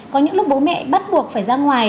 có những lúc bố mẹ bắt buộc phải ra ngoài